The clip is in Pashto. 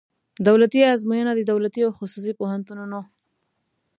دولتي آزموینه د دولتي او خصوصي پوهنتونونو